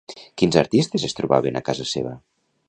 Quins artistes es trobaven a casa seva?